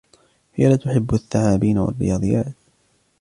هي لا تحب الثعابين و الرياضيات.